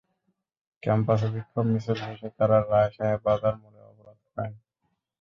ক্যাম্পাসে বিক্ষোভ মিছিল শেষে তাঁরা রায় সাহেব বাজার মোড় অবরোধ করেন।